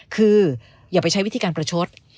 คืออย่าไปใช้วิธีการประชด